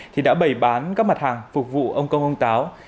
thì đã bày bán các mặt hàng phục vụ ông công ông táo